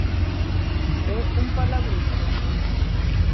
É un palabruxo?